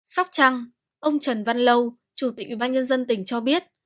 sóc trăng ông trần văn lâu chủ tịch ủy ban nhân dân tỉnh cho biết